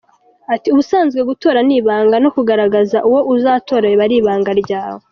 Ati : “Ubusanzwe gutora ni ibanga, no kugaragaza uwo uzatora biba ari ibanga ryawe.